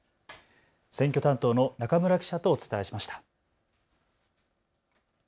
選挙担当の中村記者とお伝えしました。